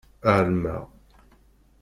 Ɛelmeɣ.